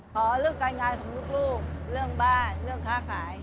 ขอเรื่องการงานของลูกเรื่องบ้านเรื่องค้าขาย